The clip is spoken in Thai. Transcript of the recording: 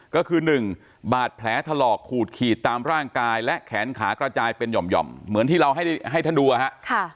ก็คือ๑บาดแผลถลอกขูดขีดตามร่างกายและแขนขากระจายเป็นหย่อมเหมือนที่เราให้ท่านดูนะฮะ